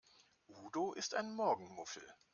Udo ist ein Morgenmuffel.